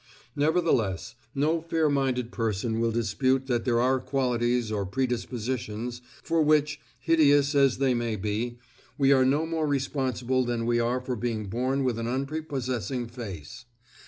Nevertheless, no fair minded person will dispute that there are qualities or predispositions, for which hideous as they may be we are no more responsible than we are for being born with an unprepossessing face.